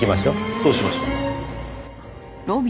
そうしましょう。